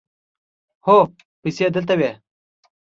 هو، پیسې دلته وې